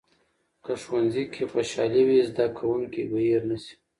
که ښوونځي کې خوشالي وي، زده کوونکي به هیر نسي.